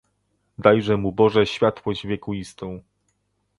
"Dajże mu Boże światłość wiekuistą."